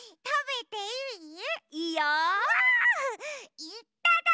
いっただきます！